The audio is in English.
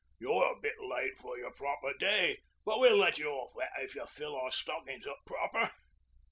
'You're a bit late for your proper day, but we'll let you off that if you fill our stockin's up proper.'